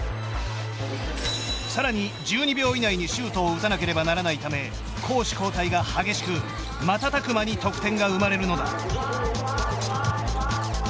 さらに１２秒以内にシュートを打たなければならないため攻守交代が激しく瞬く間に得点が生まれるのだ。